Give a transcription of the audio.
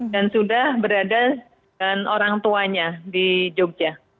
dan sudah berada dengan orang tuanya di jogja